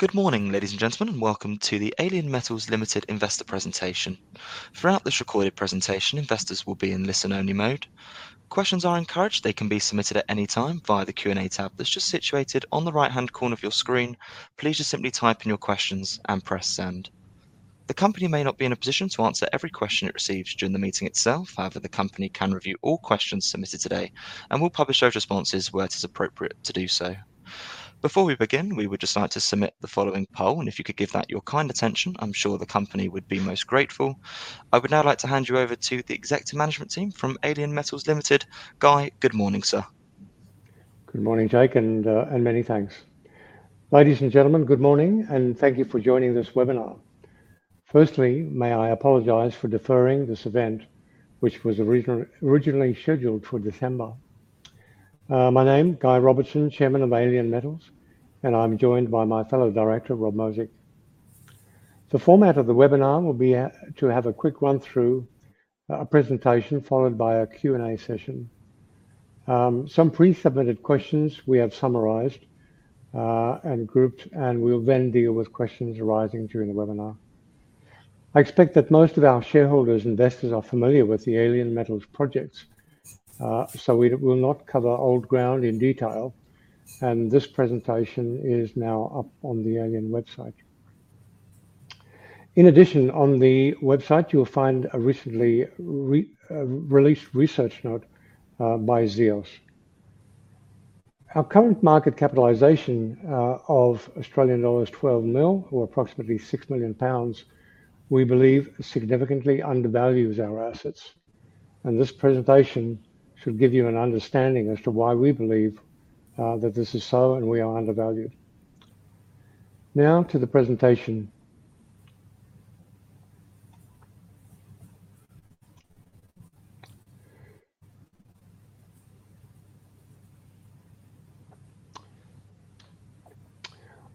Good morning, ladies and gentlemen, and welcome to the Alien Metals Limited investor presentation. Throughout this recorded presentation, investors will be in listen-only mode. Questions are encouraged. They can be submitted at any time via the Q&A tab that's just situated on the right-hand corner of your screen. Please just simply type in your questions and press send. The company may not be in a position to answer every question it receives during the meeting itself. However, the company can review all questions submitted today and will publish those responses where it is appropriate to do so. Before we begin, we would just like to submit the following poll, and if you could give that your kind attention, I'm sure the company would be most grateful. I would now like to hand you over to the executive management team from Alien Metals Limited. Guy, good morning, sir. Good morning, Jake, and many thanks. Ladies and gentlemen, good morning, and thank you for joining this webinar. Firstly, may I apologize for deferring this event, which was originally scheduled for December. My name, Guy Robertson, Chairman of Alien Metals, and I'm joined by my fellow Director, Rob Mosig. The format of the webinar will be to have a quick run-through presentation followed by a Q&A session. Some pre-submitted questions we have summarized and grouped, and we'll then deal with questions arising during the webinar. I expect that most of our shareholders and investors are familiar with the Alien Metals projects. We will not cover old ground in detail. This presentation is now up on the alien website. In addition, on the website, you'll find a recently released research note by Zeus. Our current market capitalization of Australian dollars 12 million, or approximately 6 million pounds, we believe significantly undervalues our assets. This presentation should give you an understanding as to why we believe that this is so and we are undervalued. Now to the presentation.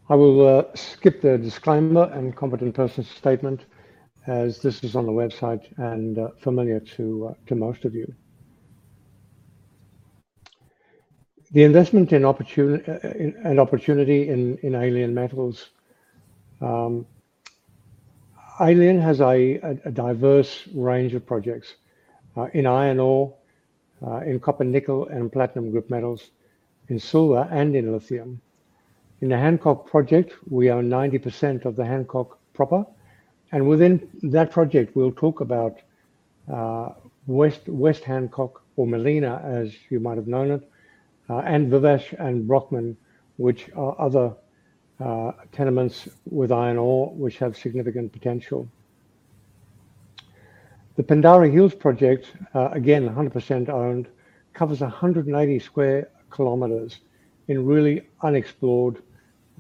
I will skip the disclaimer and competent person statement as this is on the website and familiar to most of you. The investment and opportunity in Alien Metals. Alien has a diverse range of projects in iron ore, in copper, nickel, and platinum group metals, in silver, and in lithium. In the Hancock project, we own 90% of the Hancock proper, and within that project, we'll talk about West Hancock or Mallina, as you might have known it, and Vivash and Brockman, which are other tenements with iron ore, which have significant potential. The Pinderi Hills project, again, 100% owned, covers 180 sq km in really unexplored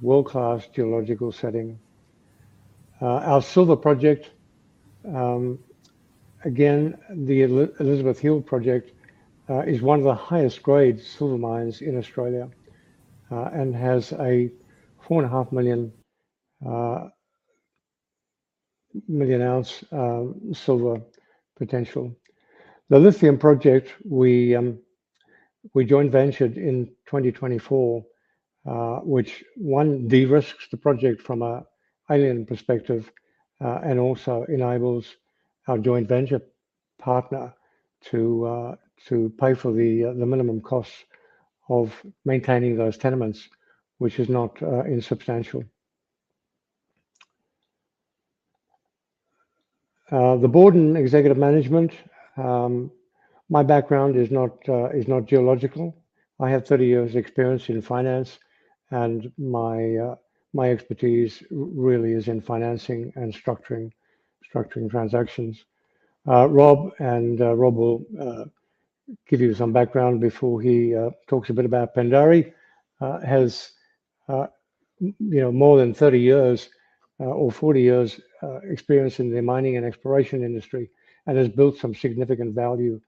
world-class geological setting. Our Silver Project, again, the Elizabeth Hill project, is one of the highest-grade silver mines in Australia and has a 4.5 million oz silver potential. The lithium project we joint ventured in 2024, which, one, de-risks the project from an Alien Metals perspective, and also enables our joint venture partner to pay for the minimum costs of maintaining those tenements, which is not insubstantial. The Board and Executive Management. My background is not geological. I have 30 years experience in finance, and my expertise really is in financing and structuring transactions. Rob will give you some background before he talks a bit about Pinderi. He has more than 30 years or 40 years experience in the mining and exploration industry and has built some significant value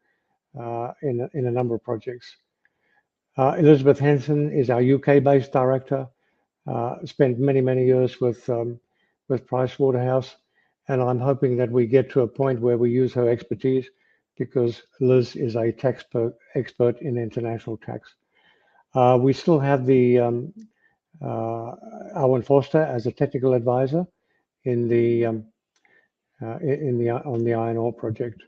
in a number of projects. Elizabeth Henson is our U.K.-based Director. She spent many, many years with Pricewaterhouse, and I'm hoping that we get to a point where we use her expertise because Liz is an expert in international tax. We still have Alwyn Vorster as a Technical Advisor on the Iron Ore project.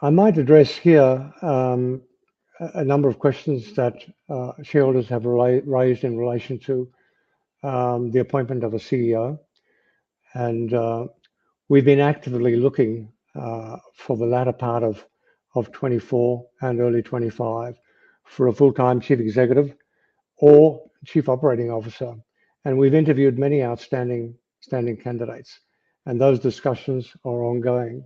I might address here a number of questions that shareholders have raised in relation to the appointment of a CEO. We've been actively looking for the latter part of 2024 and early 2025 for a full-time Chief Executive or Chief Operating Officer. We've interviewed many outstanding candidates, and those discussions are ongoing.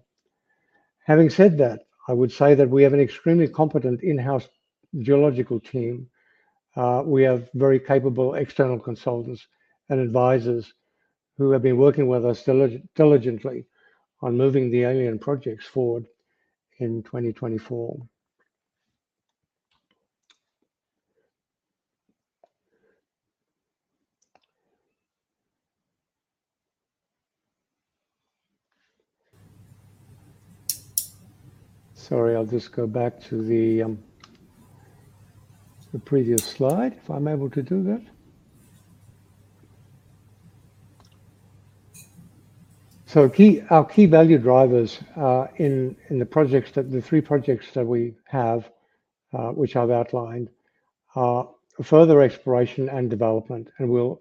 Having said that, I would say that we have an extremely competent in-house geological team. We have very capable external consultants and advisors who have been working with us diligently on moving the Alien projects forward in 2024. Sorry, I'll just go back to the previous slide, if I'm able to do that. Our key value drivers in the three projects that we have, which I've outlined, are further exploration and development. We'll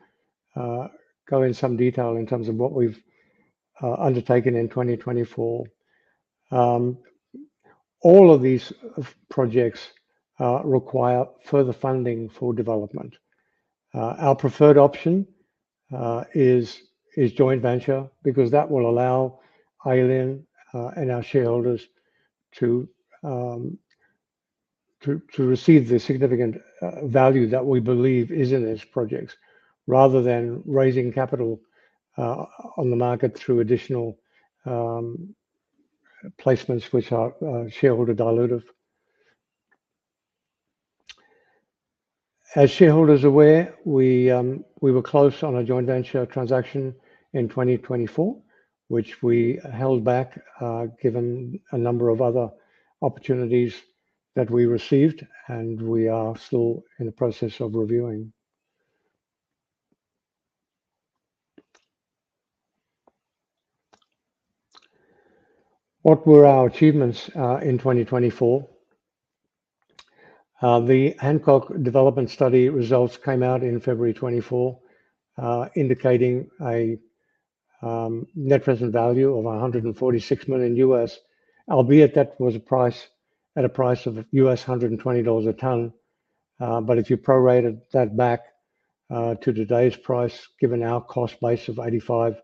go in some detail in terms of what we've undertaken in 2024. All of these projects require further funding for development. Our preferred option is joint venture, because that will allow Alien and our shareholders to receive the significant value that we believe is in these projects, rather than raising capital on the market through additional placements which are shareholder dilutive. As shareholders are aware, we were close on a joint venture transaction in 2024, which we held back given a number of other opportunities that we received, and we are still in the process of reviewing. What were our achievements in 2024? The Hancock development study results came out in February 2024, indicating a net present value of $146 million, albeit that was at a price of $120 a ton. If you prorated that back to today's price, given our cost base of $85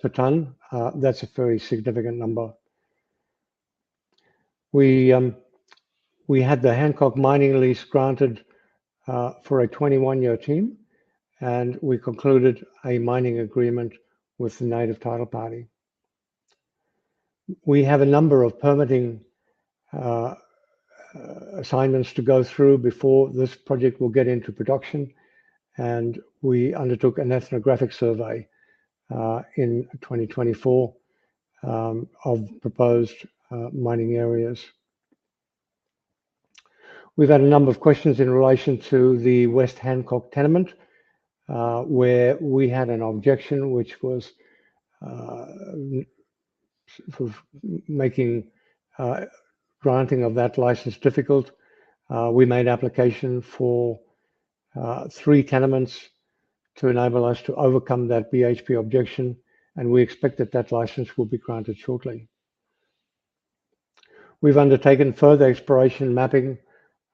per ton, that's a very significant number. We had the Hancock mining lease granted for a 21-year term, and we concluded a mining agreement with the native title party. We have a number of permitting assignments to go through before this project will get into production, and we undertook an ethnographic survey in 2024 of proposed mining areas. We've had a number of questions in relation to the West Hancock tenement, where we had an objection which was making granting of that license difficult. We made application for three tenements to enable us to overcome that BHP objection, and we expect that that license will be granted shortly. We've undertaken further exploration mapping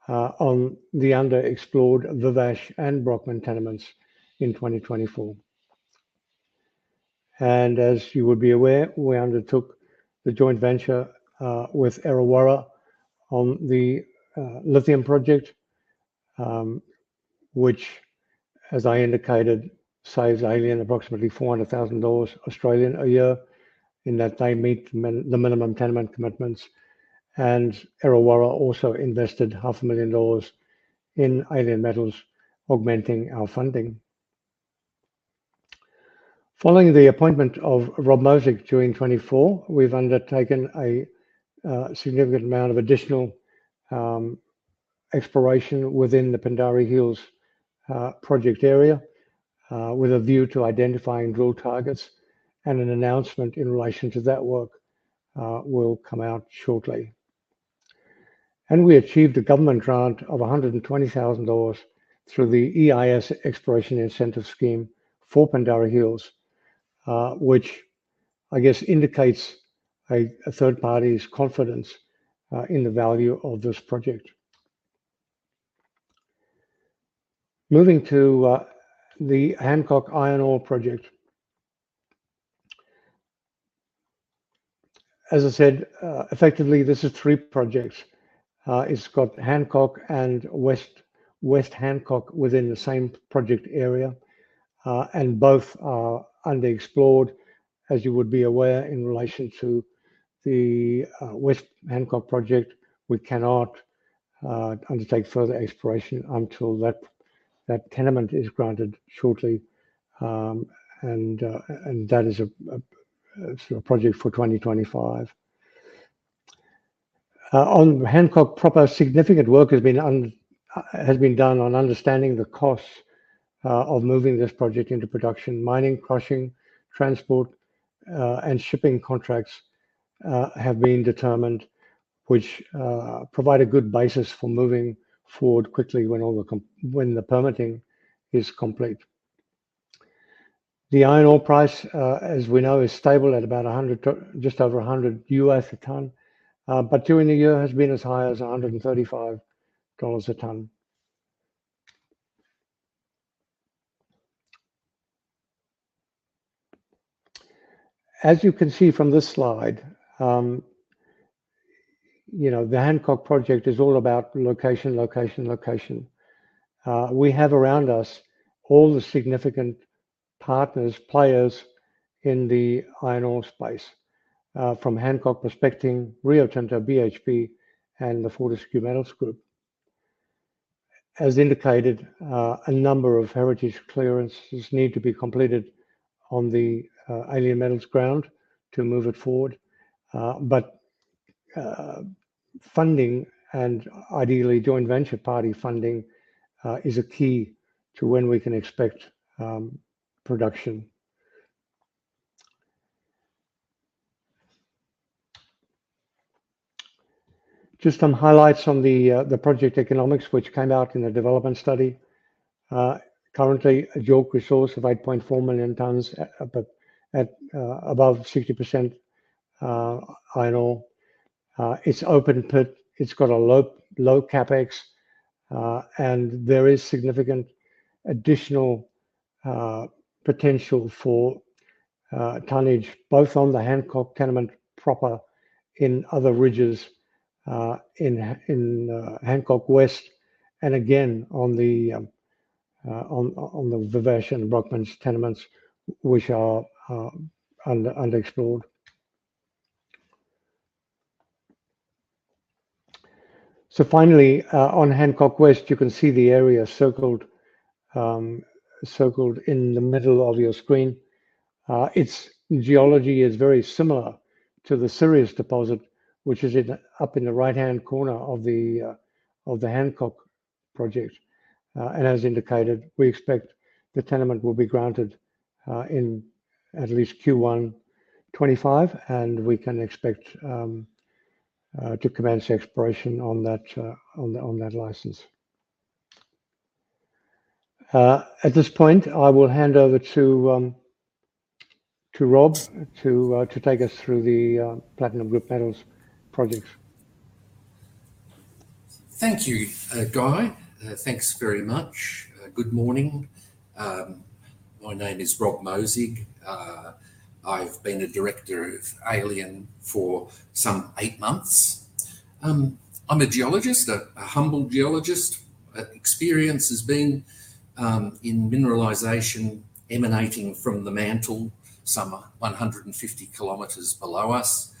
on the under-explored Vivash and Brockman tenements in 2024. As you would be aware, we undertook the joint venture with Errawarra on the lithium project, which, as I indicated, saves Alien approximately 400,000 Australian dollars a year in that they meet the minimum tenement commitments. Errawarra also invested $500,000 in Alien Metals, augmenting our funding. Following the appointment of Rob Mosig during 2024, we've undertaken a significant amount of additional exploration within the Pinderi Hills project area with a view to identifying drill targets, and an announcement in relation to that work will come out shortly. We achieved a government grant of 120,000 dollars through the EIS Exploration Incentive Scheme for Pinderi Hills, which I guess indicates a third party's confidence in the value of this project. Moving to the Hancock Iron Ore project. As I said, effectively, this is three projects. It's got Hancock and West Hancock within the same project area, and both are underexplored. As you would be aware, in relation to the West Hancock project, we cannot undertake further exploration until that tenement is granted shortly, and that is a project for 2025. On Hancock proper, significant work has been done on understanding the costs of moving this project into production. Mining, crushing, transport, and shipping contracts have been determined, which provide a good basis for moving forward quickly when the permitting is complete. The iron ore price, as we know, is stable at just over $100 a ton. During the year, it has been as high as $135 a ton. As you can see from this slide, the Hancock project is all about location, location. We have around us all the significant partners, players in the iron ore space. From Hancock Prospecting, Rio Tinto, BHP and the Fortescue Metals Group. As indicated, a number of heritage clearances need to be completed on the Alien Metals ground to move it forward. Funding, and ideally joint venture party funding, is a key to when we can expect production. Just some highlights on the project economics, which came out in the development study. Currently, a JORC resource of 8.4 million tons, but at above 60% iron ore. It's open pit, it's got a low CapEx, and there is significant additional potential for tonnage, both on the Hancock tenement proper, in other ridges in Hancock West, and again, on the Vivash and Brockman tenements, which are underexplored. Finally, on Hancock West, you can see the area circled in the middle of your screen. Its geology is very similar to the Sirius deposit, which is up in the right-hand corner of the Hancock project. As indicated, we expect the tenement will be granted in at least Q1 2025, and we can expect to commence exploration on that license. At this point, I will hand over to Rob to take us through the platinum group metals project. Thank you, Guy. Thanks very much. Good morning. My name is Rob Mosig. I've been a Director of Alien for some eight months. I'm a geologist, a humble geologist. Experience has been in mineralization emanating from the mantle, some 150 km below us.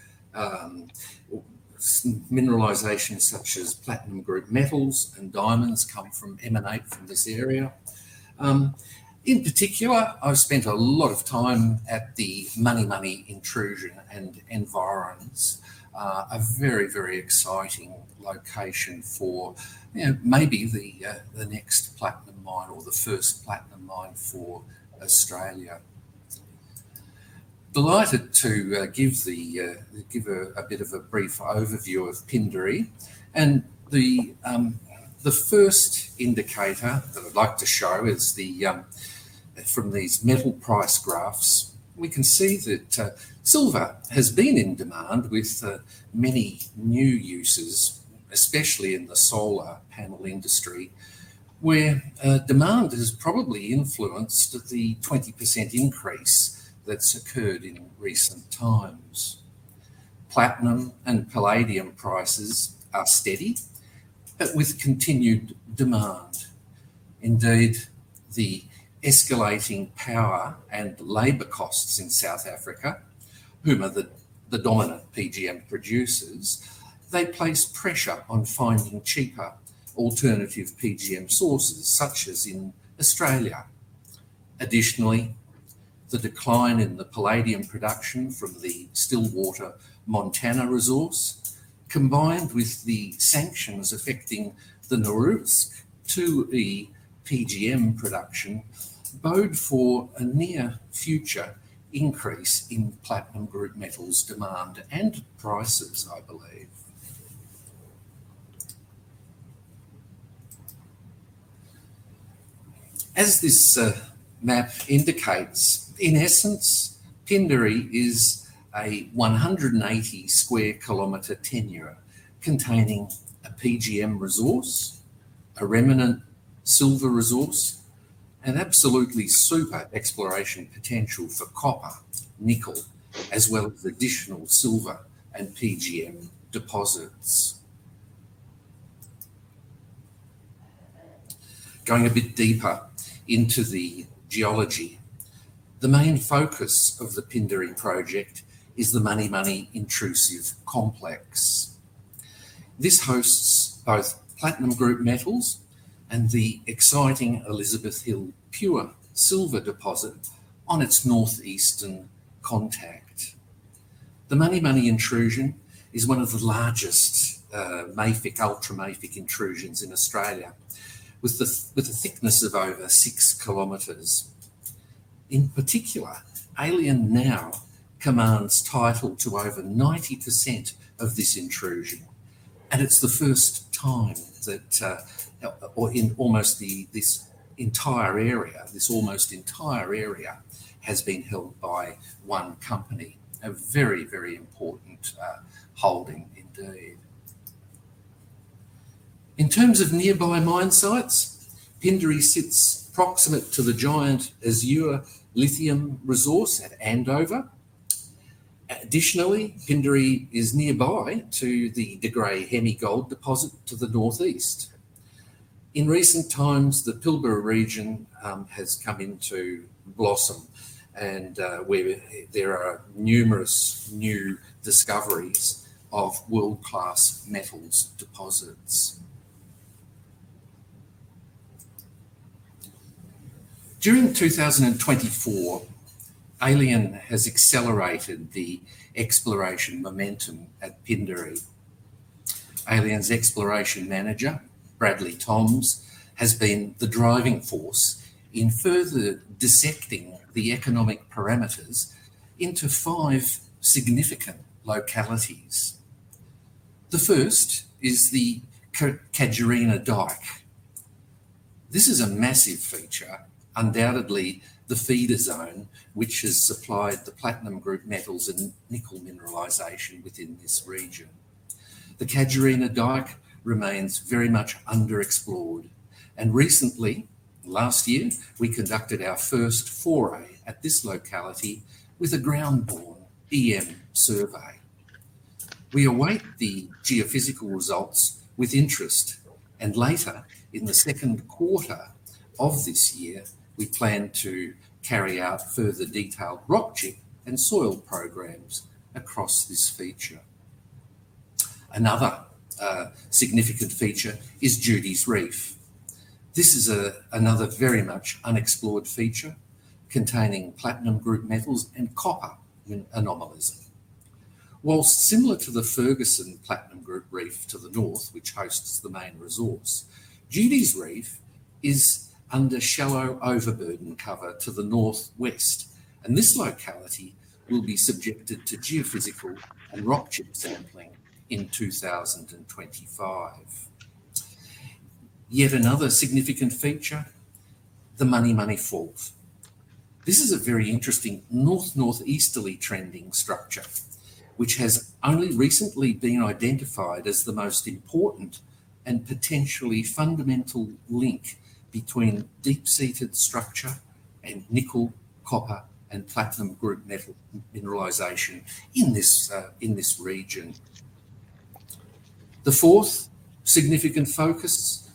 Mineralization such as platinum group metals and diamonds emanate from this area. In particular, I've spent a lot of time at the Munni Munni intrusion and environs. A very, very exciting location for maybe the next platinum mine or the first platinum mine for Australia. Delighted to give a bit of a brief overview of Pinderi. The first indicator that I'd like to show is from these metal price graphs. We can see that silver has been in demand with many new uses, especially in the solar panel industry, where demand has probably influenced the 20% increase that's occurred in recent times. Platinum and palladium prices are steady, but with continued demand. Indeed, the escalating power and labor costs in South Africa, whom are the dominant PGM producers, they place pressure on finding cheaper alternative PGM sources, such as in Australia. Additionally, the decline in the palladium production from the Stillwater Montana resource, combined with the sanctions affecting the Norilsk, too, the PGM production, bode for a near future increase in platinum group metals demand and prices, I believe. As this map indicates, in essence, Pinderi is a 180 sq km tenure containing a PGM resource, a remnant silver resource, and absolutely super exploration potential for copper, nickel, as well as additional silver and PGM deposits. Going a bit deeper into the geology. The main focus of the Pinderi project is the Munni Munni Intrusive Complex. This hosts both platinum group metals and the exciting Elizabeth Hill pure silver deposit on its northeastern contact. The Munni Munni intrusion is one of the largest mafic, ultramafic intrusions in Australia, with a thickness of over 6 km. In particular, Alien now commands title to over 90% of this intrusion, and it's the first time that this almost entire area has been held by one company. A very important holding indeed. In terms of nearby mine sites, Pinderi sits proximate to the giant Azure lithium resource at Andover. Additionally, Pinderi is nearby to the De Grey – Hemi Gold deposit to the northeast. In recent times, the Pilbara region has come into blossom, and there are numerous new discoveries of world-class metals deposits. During 2024, Alien has accelerated the exploration momentum at Pinderi. Alien Metals' Exploration Manager, Bradley Toms, has been the driving force in further dissecting the economic parameters into five significant localities. The first is the Cadgerina Dyke. This is a massive feature, undoubtedly the feeder zone, which has supplied the platinum group metals and nickel mineralization within this region. The Cadgerina Dyke remains very much underexplored. Recently, last year, we conducted our first foray at this locality with a ground-borne EM survey. We await the geophysical results with interest, and later in the second quarter of this year, we plan to carry out further detailed rock chip and soil programs across this feature. Another significant feature is Judy's Reef. This is another very much unexplored feature containing platinum group metals and copper anomaly. While similar to the Ferguson platinum group reef to the north, which hosts the main resource, Judy's Reef is under shallow overburden cover to the northwest, and this locality will be subjected to geophysical and rock chip sampling in 2025. Yet another significant feature, the Munni Munni Fault. This is a very interesting north-northeasterly trending structure, which has only recently been identified as the most important and potentially fundamental link between deep-seated structure and nickel, copper, and platinum group metal mineralization in this region. The fourth significant focus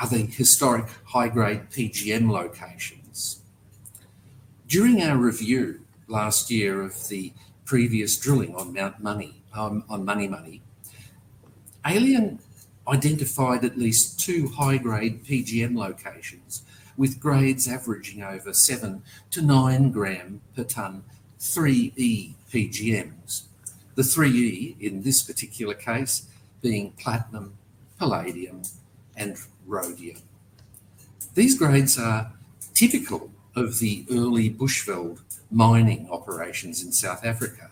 are the historic high-grade PGM locations. During our review last year of the previous drilling on Munni Munni, Alien identified at least two high-grade PGM locations with grades averaging over 7 g-9 g per ton, 3E PGMs. The 3E, in this particular case, being platinum, palladium, and rhodium. These grades are typical of the early Bushveld mining operations in South Africa.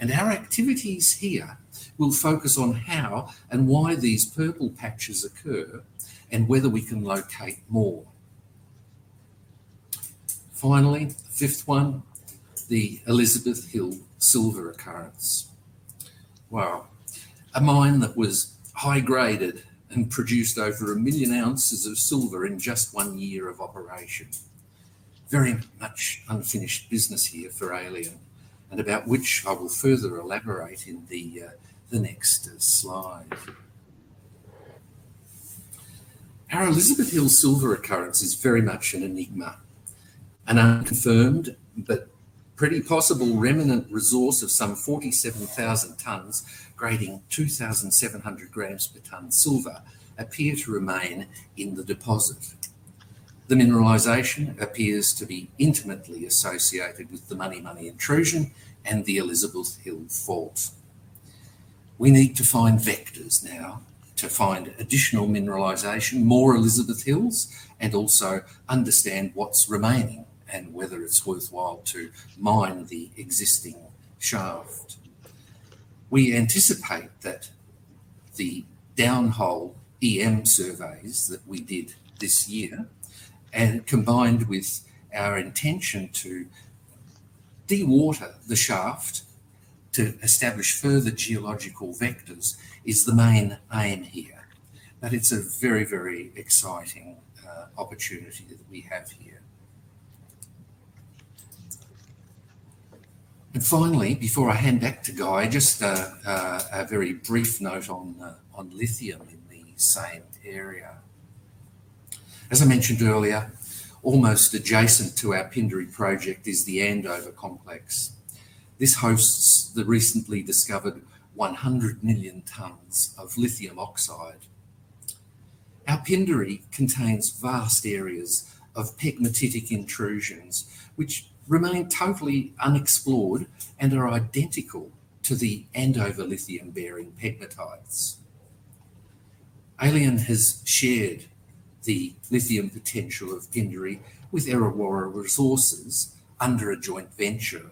Our activities here will focus on how and why these purple patches occur and whether we can locate more. Finally, the fifth one, the Elizabeth Hill silver occurrence. Well, a mine that was high-graded and produced over 1 million oz of silver in just one year of operation. Very much unfinished business here for Alien, and about which I will further elaborate in the next slide. Our Elizabeth Hill silver occurrence is very much an enigma. An unconfirmed but pretty possible remnant resource of some 47,000 tons grading 2,700 g per ton silver appear to remain in the deposit. The mineralization appears to be intimately associated with the Munni Munni intrusion and the Elizabeth Hill fault. We need to find vectors now to find additional mineralization, more Elizabeth Hills, and also understand what's remaining and whether it's worthwhile to mine the existing shaft. We anticipate that the down-hole EM surveys that we did this year, and combined with our intention to dewater the shaft to establish further geological vectors, is the main aim here. It's a very exciting opportunity that we have here. Finally, before I hand back to Guy, just a very brief note on lithium in the same area. As I mentioned earlier, almost adjacent to our Pinderi project is the Andover Complex. This hosts the recently discovered 100 million tons of lithium oxide. Our Pinderi contains vast areas of pegmatitic intrusions, which remain totally unexplored and are identical to the Andover Lithium-bearing pegmatites. Alien has shared the lithium potential of Pinderi with Errawarra Resources under a joint venture.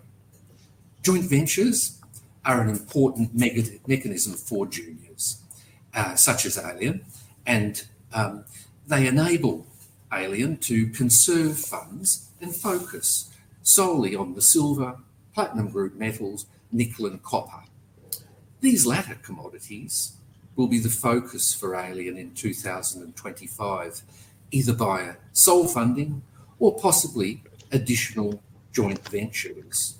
Joint ventures are an important mechanism for juniors such as Alien, and they enable Alien to conserve funds and focus solely on the silver, platinum group metals, nickel, and copper. These latter commodities will be the focus for Alien in 2025, either via sole funding or possibly additional joint ventures.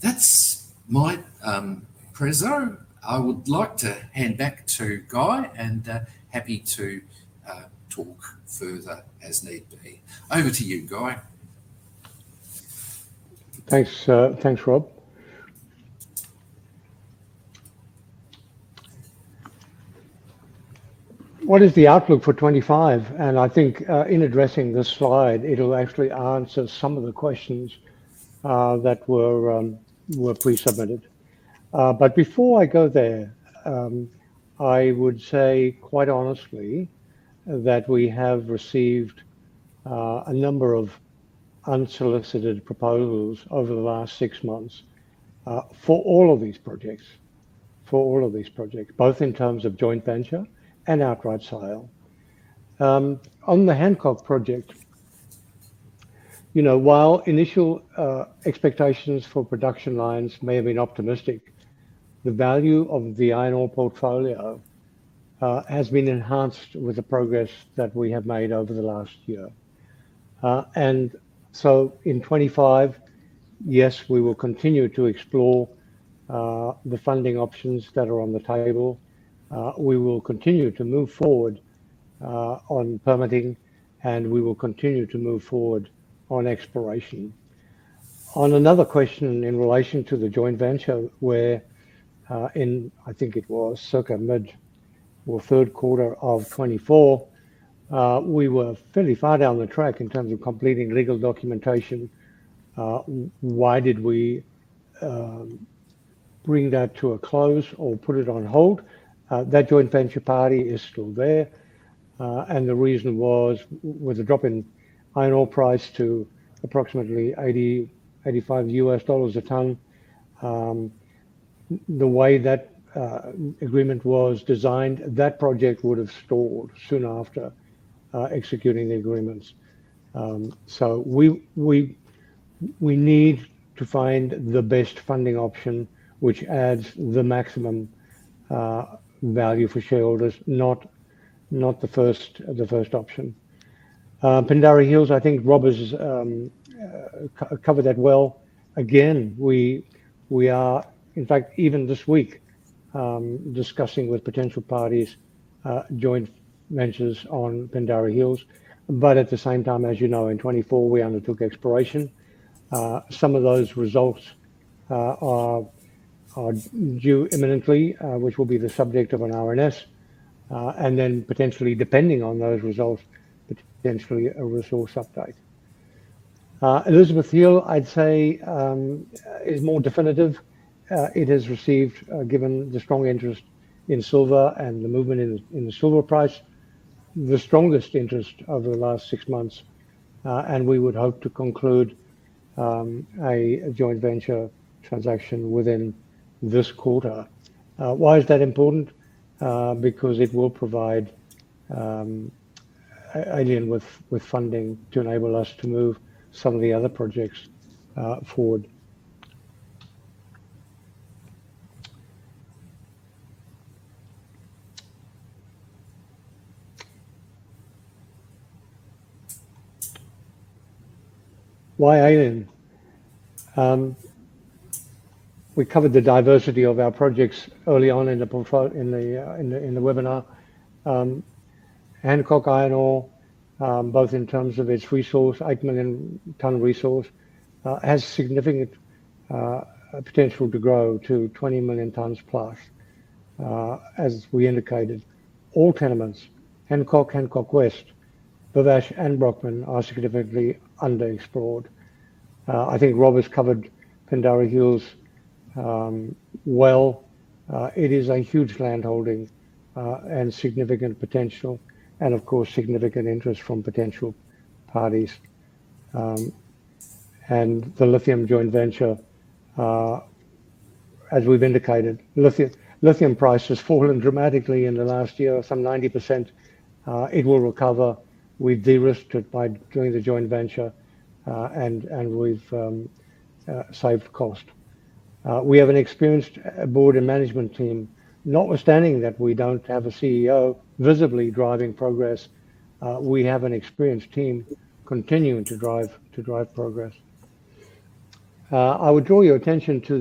That's my presentation. I would like to hand back to Guy, and happy to talk further as need be. Over to you, Guy. Thanks, Rob. What is the outlook for 2025? I think in addressing this slide, it'll actually answer some of the questions that were pre-submitted. Before I go there, I would say quite honestly that we have received a number of unsolicited proposals over the last six months, for all of these projects, both in terms of joint venture and outright sale. On the Hancock project, while initial expectations for production lines may have been optimistic, the value of the Iron Ore portfolio has been enhanced with the progress that we have made over the last year. In 2025, yes, we will continue to explore the funding options that are on the table. We will continue to move forward on permitting, and we will continue to move forward on exploration. On another question in relation to the joint venture where in, I think it was circa mid or third quarter of 2024, we were fairly far down the track in terms of completing legal documentation. Why did we bring that to a close or put it on hold? That joint venture party is still there. The reason was, with the drop in iron ore price to approximately $80-$85 a ton, the way that agreement was designed, that project would have stalled soon after executing the agreements. We need to find the best funding option, which adds the maximum value for shareholders, not the first option. Pinderi Hills, I think Rob has covered that well. Again, we are, in fact, even this week, discussing with potential parties, joint ventures on Pinderi Hills. At the same time, as you know, in 2024, we undertook exploration. Some of those results are due imminently, which will be the subject of an RNS. Potentially depending on those results, potentially a resource update. Elizabeth Hill, I'd say, is more definitive. It has received, given the strong interest in silver and the movement in the silver price, the strongest interest over the last six months. We would hope to conclude a joint venture transaction within this quarter. Why is that important? Because it will provide Alien with funding to enable us to move some of the other projects forward. Why Alien? We covered the diversity of our projects early on in the webinar. Hancock Iron Ore, both in terms of its resource, 8 million ton resource has significant potential to grow to 20+ million tons. As we indicated, all tenements, Hancock West, Vivash and Brockman are significantly underexplored. I think Rob has covered Pinderi Hills well. It is a huge land holding and significant potential and of course, significant interest from potential parties. The lithium joint venture, as we've indicated, lithium price has fallen dramatically in the last year. Some 90%. It will recover. We've de-risked it by doing the joint venture. We've saved cost. We have an experienced board and management team, notwithstanding that we don't have a CEO visibly driving progress, we have an experienced team continuing to drive progress. I would draw your attention to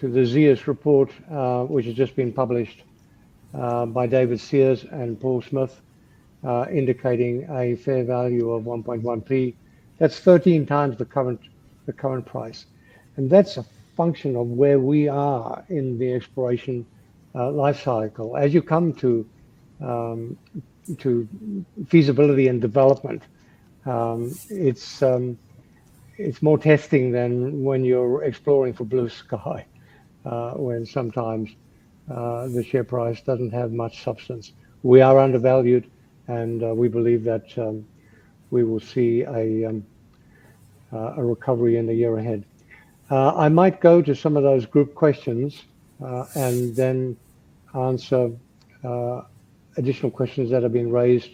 the Zeus report, which has just been published, by David Seers and Paul Smith, indicating a fair value of 1.1p. That's 13x the current price. That's a function of where we are in the exploration life cycle. As you come to feasibility and development, it's more testing than when you're exploring for blue sky, when sometimes the share price doesn't have much substance. We are undervalued, and we believe that we will see a recovery in the year ahead. I might go to some of those group questions, and then answer additional questions that have been raised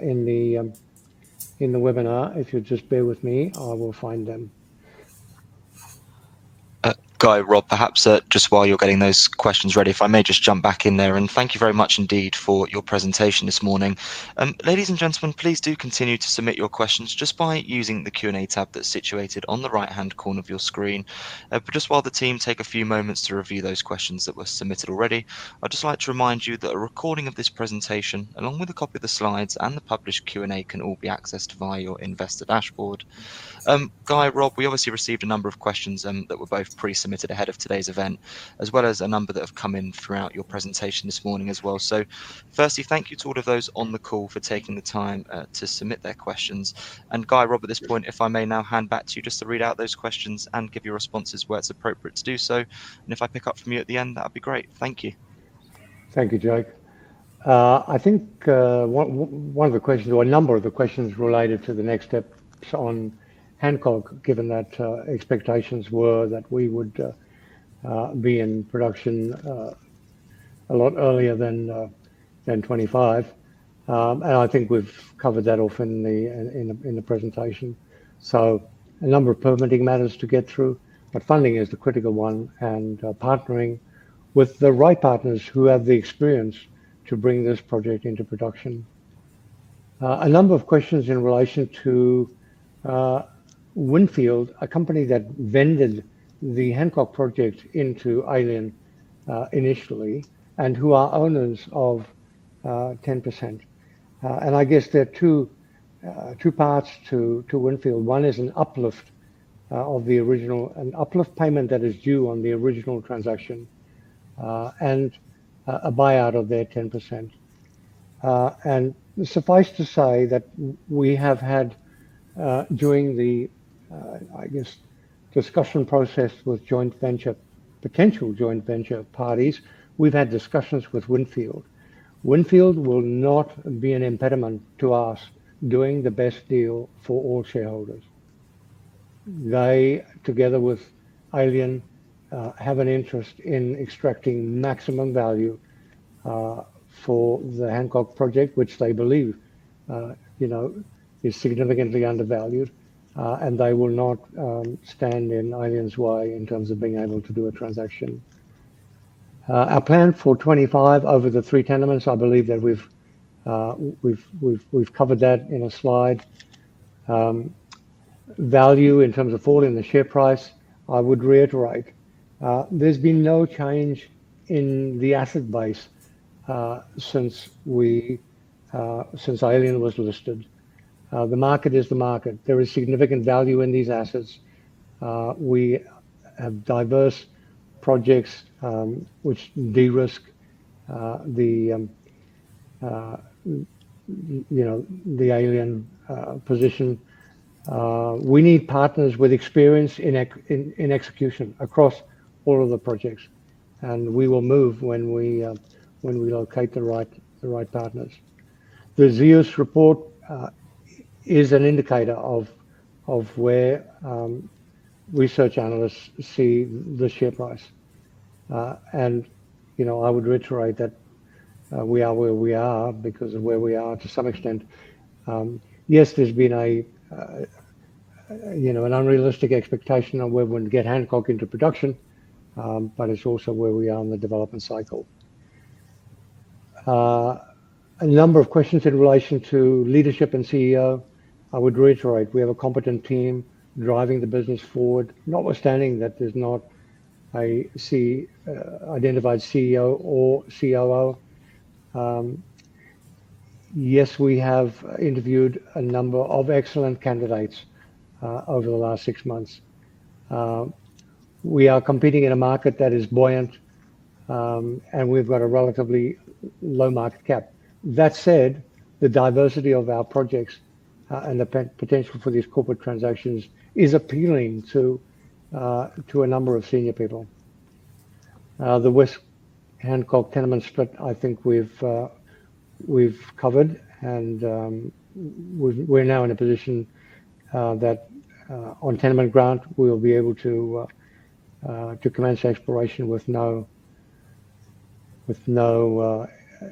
in the webinar. If you'd just bear with me, I will find them. Guy, Rob, perhaps just while you're getting those questions ready, if I may just jump back in there, and thank you very much indeed for your presentation this morning. Ladies and gentlemen, please do continue to submit your questions just by using the Q&A tab that's situated on the right-hand corner of your screen. Just while the team take a few moments to review those questions that were submitted already, I'd just like to remind you that a recording of this presentation, along with a copy of the slides and the published Q&A, can all be accessed via your investor dashboard. Guy, Rob, we obviously received a number of questions that were both pre-submitted ahead of today's event, as well as a number that have come in throughout your presentation this morning as well. Firstly, thank you to all of those on the call for taking the time to submit their questions. Guy, Rob, at this point, if I may now hand back to you just to read out those questions and give your responses where it's appropriate to do so. If I pick up from you at the end, that'd be great. Thank you. Thank you, Jake. I think one of the questions or a number of the questions related to the next steps on Hancock, given that expectations were that we would be in production a lot earlier than 2025. I think we've covered that off in the presentation. A number of permitting matters to get through, but funding is the critical one and partnering with the right partners who have the experience to bring this project into production. A number of questions in relation to Windfield, a company that vended the Hancock project into Alien initially and who are owners of 10%. I guess there are two parts to Windfield. One is an uplift payment that is due on the original transaction, and a buyout of their 10%. Suffice to say that we have had, during the, I guess, discussion process with potential joint venture parties, we've had discussions with Windfield. Windfield will not be an impediment to us doing the best deal for all shareholders. They, together with Alien, have an interest in extracting maximum value for the Hancock project, which they believe is significantly undervalued, and they will not stand in Alien's way in terms of being able to do a transaction. Our plan for 2025 over the three tenements, I believe that we've covered that in a slide. Value in terms of fall in the share price, I would reiterate, there's been no change in the asset base since Alien was listed. The market is the market. There is significant value in these assets. We have diverse projects which de-risk the Alien position. We need partners with experience in execution across all of the projects. We will move when we locate the right partners. The Zeus report is an indicator of where research analysts see the share price. I would reiterate that we are where we are because of where we are to some extent. Yes, there's been an unrealistic expectation on where we'd get Hancock into production, but it's also where we are in the development cycle. A number of questions in relation to leadership and CEO. I would reiterate, we have a competent team driving the business forward, notwithstanding that there's no identified CEO or COO. Yes, we have interviewed a number of excellent candidates over the last six months. We are competing in a market that is buoyant, and we've got a relatively low market cap. That said, the diversity of our projects and the potential for these corporate transactions is appealing to a number of senior people. The West Hancock tenement split, I think we've covered, and we're now in a position that on tenement ground, we'll be able to commence exploration with no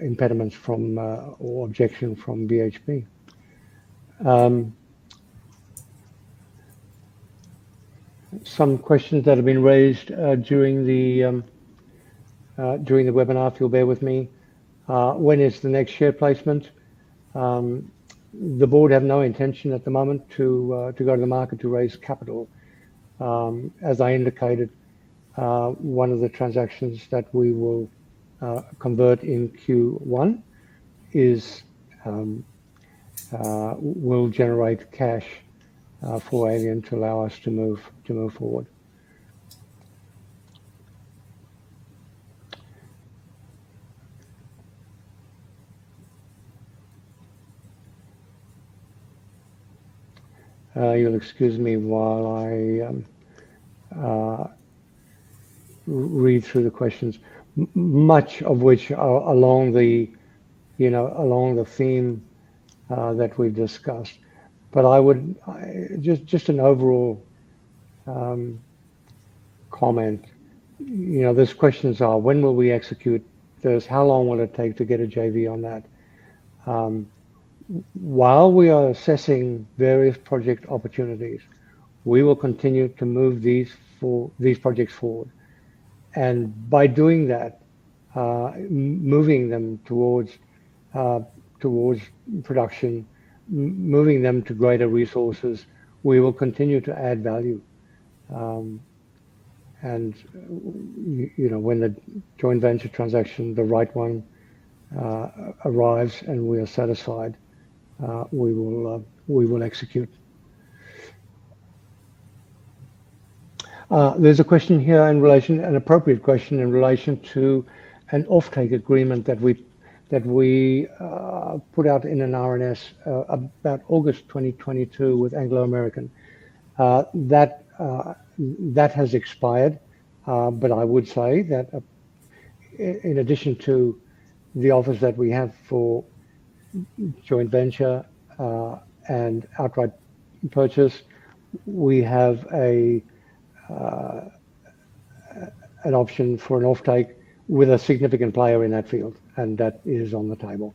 impediments or objection from BHP. Some questions that have been raised during the webinar, if you'll bear with me. When is the next share placement? The board have no intention at the moment to go to the market to raise capital. As I indicated, one of the transactions that we will convert in Q1 will generate cash for Alien to allow us to move forward. You'll excuse me while I read through the questions, much of which are along the theme that we've discussed. Just an overall comment. Those questions are, when will we execute this? How long will it take to get a JV on that? While we are assessing various project opportunities, we will continue to move these projects forward. By doing that, moving them towards production, moving them to greater resources, we will continue to add value. When the joint venture transaction, the right one, arrives and we are satisfied, we will execute. There's a question here, an appropriate question in relation to an offtake agreement that we put out in an RNS about August 2022 with Anglo American. That has expired, but I would say that in addition to the offers that we have for joint venture and outright purchase, we have an option for an offtake with a significant player in that field, and that is on the table.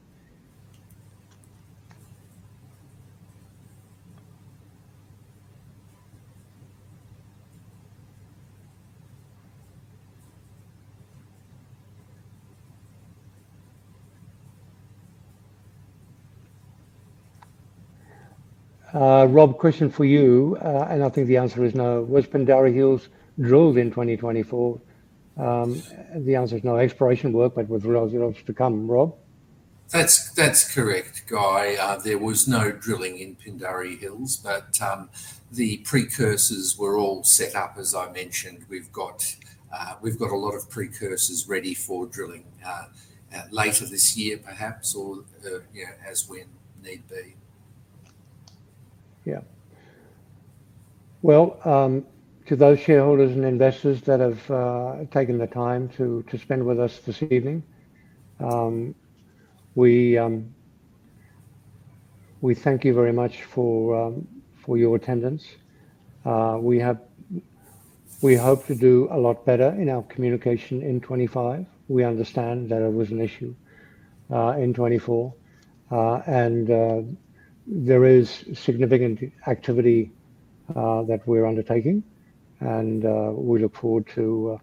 Rob, question for you. I think the answer is no. Was Pinderi Hills drilled in 2024? The answer is no exploration work, but with results to come. Rob? That's correct, Guy. There was no drilling in Pinderi Hills, but the precursors were all set up, as I mentioned. We've got a lot of precursors ready for drilling later this year perhaps, or as when need be. Yeah. Well, to those shareholders and investors that have taken the time to spend with us this evening, we thank you very much for your attendance. We hope to do a lot better in our communication in 2025. We understand that it was an issue in 2024. There is significant activity that we're undertaking, and we look forward to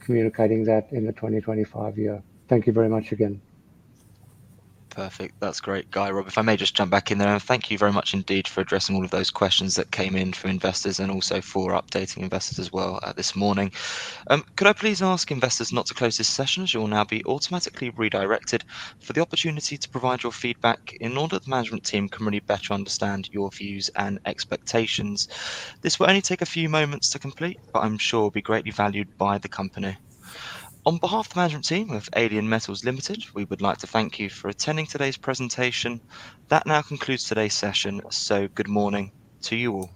communicating that in the 2025 year. Thank you very much again. Perfect. That's great, Guy. Rob, if I may just jump back in there. Thank you very much indeed for addressing all of those questions that came in from investors and also for updating investors as well this morning. Could I please ask investors not to close this session, as you will now be automatically redirected for the opportunity to provide your feedback in order that the management team can really better understand your views and expectations. This will only take a few moments to complete, but I'm sure will be greatly valued by the company. On behalf of the management team of Alien Metals Limited, we would like to thank you for attending today's presentation. That now concludes today's session. Good morning to you all.